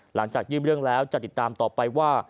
หลังจากยื่นเรื่องแล้วจะติดตามต่อไปว่า